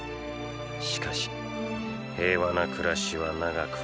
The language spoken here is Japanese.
しかし平和な暮らしは長くは続かない。